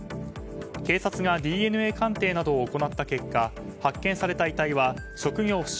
警察がＤＮＡ鑑定などを行った結果発見された遺体は職業不詳